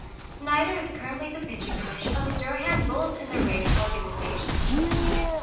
Snyder is currently the pitching coach of the Durham Bulls in the Rays organization.